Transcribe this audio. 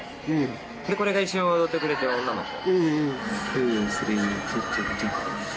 これが一緒に踊ってくれてる女の子。